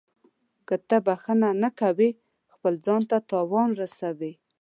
• که ته بښنه نه کوې، خپل ځان ته تاوان رسوې.